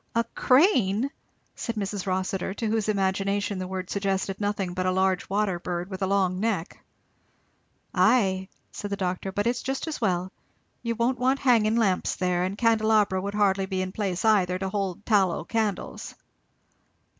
"A crane!" said Mrs. Rossitur, to whose imagination the word suggested nothing but a large water bird with a long neck. "Ay!" said the doctor. "But it's just as well. You won't want hanging lamps there, and candelabra would hardly be in place either, to hold tallow candles."